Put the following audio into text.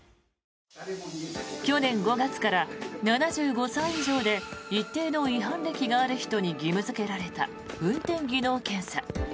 去年５月から７５歳以上で一定の違反歴がある人に義務付けられた運転技能検査。